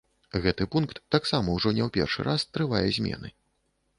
Гэты пункт таксама ўжо не ў першы раз трывае змены.